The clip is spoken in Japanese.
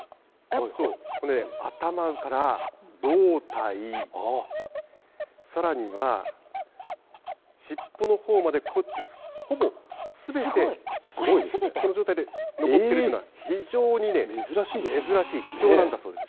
頭から胴体、さらには、尻尾のほうまで、こうやってほぼすべて、この状態で残ってるっていうのは、非常に珍しい、貴重なんだそうです。